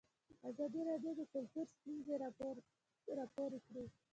ازادي راډیو د کلتور ستونزې راپور کړي.